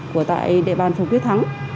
của tại địa bàn phường quyết thắng